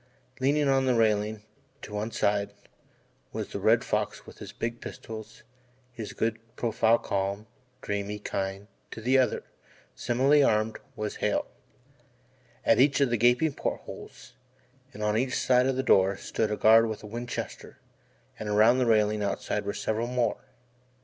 Leaning on the railing, to one side, was the Red Fox with his big pistols, his good profile calm, dreamy, kind to the other, similarly armed, was Hale. At each of the gaping port holes, and on each side of the door, stood a guard with a Winchester, and around the railing outside were several more.